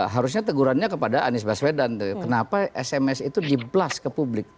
harusnya tegurannya kepada andi sbaswedan kenapa sms itu di blast ke publik